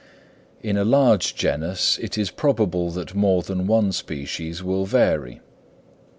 In a large genus it is probable that more than one species would vary.